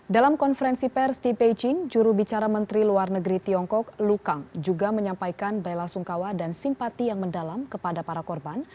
dalam konferensi pers di beijing jurubicara menteri luar negeri tiongkok lu kang juga menyampaikan bela sungkawa dan simpati yang mendalam kepada para korban